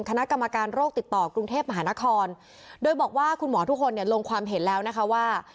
คณะกรรมการโรคติดต่อกรุงเทพมหานครโดยบอกว่าคุณหมอทุกคนเนี่ยลงความเห็นแล้วนะคะว่า